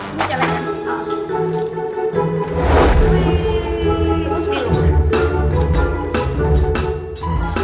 ini calengannya kak